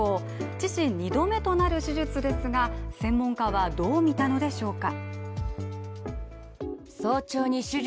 自身２度目となる手術ですが、専門家はどう見たのでしょうか。